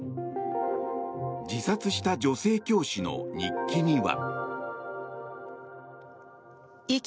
自殺した女性教師の日記には。